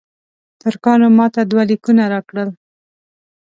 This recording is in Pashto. ترکانو ماته دوه لیکونه راکړل.